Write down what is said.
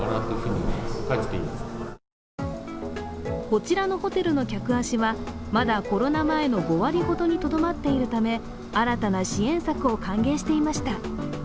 こちらのホテルの客足はまだコロナ前の５割ほどにとどまっているため、新たな支援策を歓迎していました。